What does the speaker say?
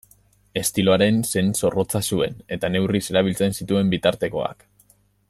Estiloaren sen zorrotza zuen, eta neurriz erabiltzen zituen bitartekoak.